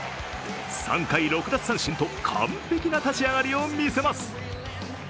３回６奪三振と完璧な立ち上がりを見せます。